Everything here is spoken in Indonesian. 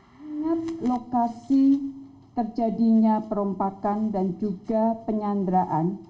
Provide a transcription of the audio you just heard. mengingat lokasi terjadinya perompakan dan juga penyanderaan